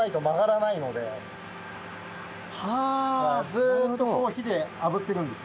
ずっと火であぶってるんです。